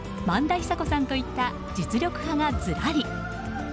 萬田久子さんといった実力派がずらり。